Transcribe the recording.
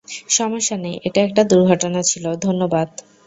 সমস্যা নেই, এটা একটা দুর্ঘটনা ছিল, ধন্যবাদ।